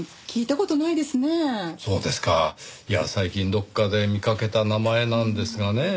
最近どこかで見かけた名前なんですがねぇ。